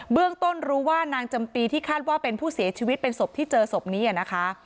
เรื่องต้นรู้ว่านางจำปีที่คาดว่าเป็นผู้เสียชีวิตเป็นศพที่เจอศพนี้นะคะ